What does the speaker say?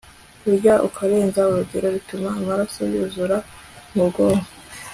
kurya ukarenza urugero bituma amaraso yuzura mu bwonko